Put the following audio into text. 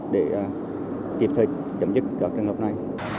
để kịp thời chấm dứt trường hợp này